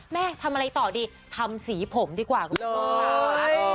แม่ทำอะไรต่อดีทำสีผมดีกว่าคุณผู้ชม